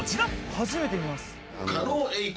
「初めて見ます」